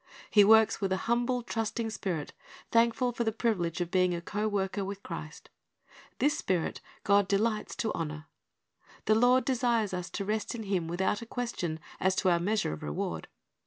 He works with a humble, trusting spirit, thankful for the privilege of being a co worker with Christ. This spirit God delights to honor. The Lord desires us to rest in Him without a question as to our measure of reward.